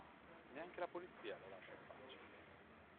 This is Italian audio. Neanche la polizia lo lascia in pace.